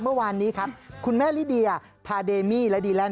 เมื่อวานนี้ครับคุณแม่ลิเดียพาเดมี่และดีแลนด